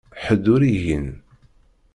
Ḥedd ur igin.